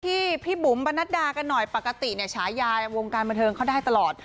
พี่บุ๋มปนัดดากันหน่อยปกติเนี่ยฉายาในวงการบันเทิงเขาได้ตลอด